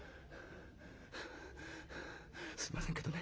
「すいませんけどね